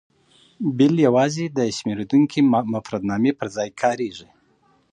بل یوازې د شمېرېدونکي مفردنامه پر ځای کاریږي.